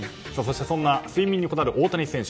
そんな睡眠にこだわる大谷選手